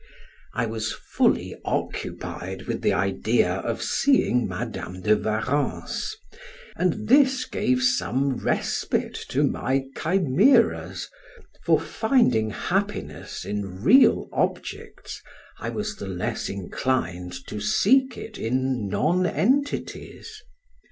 I was fully occupied with the idea of seeing Madam de Warrens, and this gave some respite to my chimeras, for finding happiness in real objects I was the less inclined to seek it in nonentities.